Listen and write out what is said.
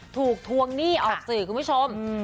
ทวงหนี้ออกสื่อคุณผู้ชม